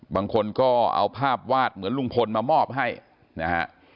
บางคนก็เอาภาพวาดเหมือนลุงพลมามอบให้นะฮะ